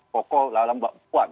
pokok lalambak buat